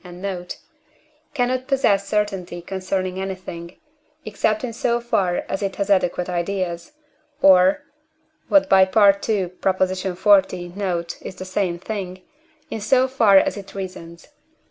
and note) cannot possess certainty concerning anything, except in so far as it has adequate ideas, or (what by II. xl. note, is the same thing) in so far as it reasons.